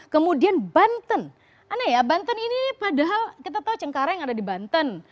kemudian banten aneh ya banten ini padahal kita tahu cengkareng ada di banten